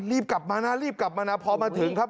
รีบกลับมานะรีบกลับมานะพอมาถึงครับ